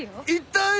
痛い！